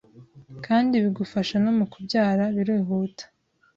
kandi bigufasha no mu kubyara birihuta.”